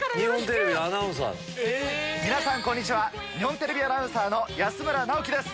皆さんこんにちは日本テレビアナウンサーの安村直樹です。